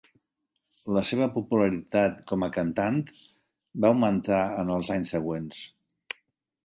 La seva popularitat com a cantant va augmentar en els anys següents.